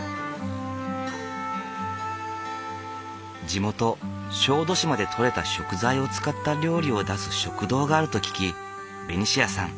地元小豆島で取れた食材を使った料理を出す食堂があると聞きベニシアさん